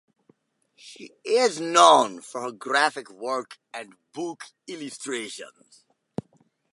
She is known for her graphic work and book illustrations.